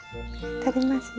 とりますよ。